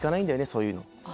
そういうの」